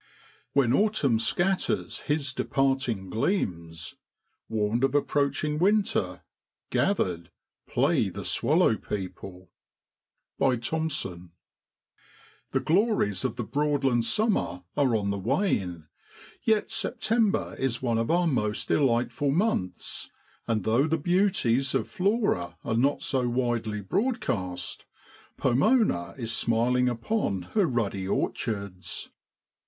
' When Autumn scatters his departing gleams, Warned of approaching winter, gathered, play The swallow people ' Thompson. HE glories of the Broadland summer are on the wane ; yet September is one of our most delightful months, and though the beauties of Flora are not so widely broadcast, Pomona is smiling upon her ruddy orchards.